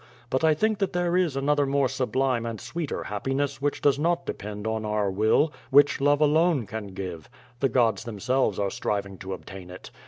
But I think that there is another more sublime and sweeter hap piness which does not depend on our will, which love alone can give. The gods themselves are striving to obtain it.